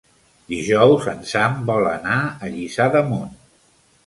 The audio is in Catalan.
Dijous en Sam vol anar a Lliçà d'Amunt.